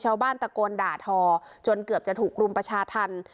ชาวบ้านตะโกนด่าทอจนเกือบจะถูกรุมประชาธรรม